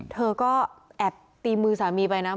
เธอก็แอบตีมือสามีไปนะ